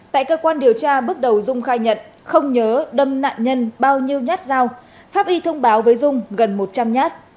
tại cơ quan điều tra bước đầu dung khai nhận không nhớ đâm nạn nhân bao nhiêu nhát dao pháp y thông báo với dung gần một trăm linh nhát